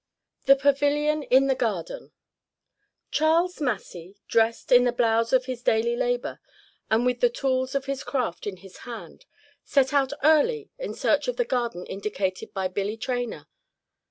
THE PAVILION IN THE GARDEN Charles Massy, dressed in the blouse of his daily labor, and with the tools of his craft in his hand, set out early in search of the garden indicated by Billy Traynor.